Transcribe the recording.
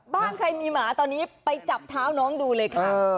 บ้านใครมีหมาตอนนี้ไปจับเท้าน้องดูเลยค่ะ